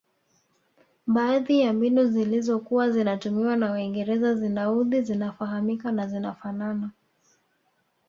Baadhi ya mbinu zilizokuwa zinatumiwa na waingereza zinaudhi zinafahamika na zinafanana